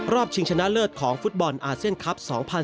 ชิงชนะเลิศของฟุตบอลอาเซียนคลับ๒๐๑๖